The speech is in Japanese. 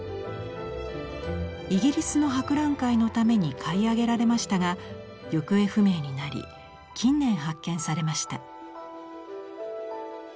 イギリスの博覧会のために買い上げられましたが行方不明になり近年発見されました。